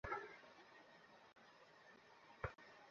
দুই মাসের বাকি আছে, এখন দিয়ে দে।